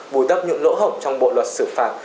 bồi đắp những lỗ hổng trong bộ luật xử phạt